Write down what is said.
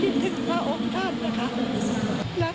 คิดถึงพระองค์ท่านนะครับ